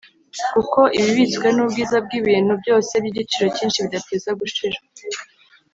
kuko ibibitswe n’ubwiza bw’ibintu byose by’igiciro cyinshi bidateze gushira.